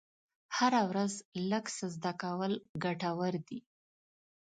هره ورځ لږ څه زده کول ګټور دي.